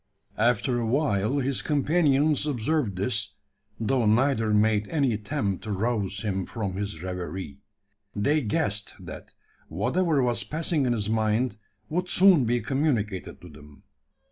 After awhile his companions observed this; though neither made any attempt to rouse him from his reverie. They guessed, that, whatever was passing in his mind would soon be communicated to them.